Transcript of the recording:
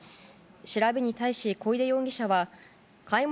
調べに対し小出容疑者は